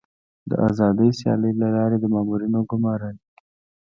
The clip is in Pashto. د آزادې سیالۍ له لارې د مامورینو ګمارل.